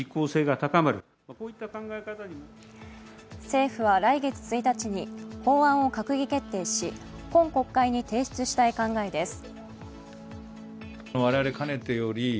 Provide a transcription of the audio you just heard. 政府は来月１日に法案を閣議決定し、今国会に提出したい考えです。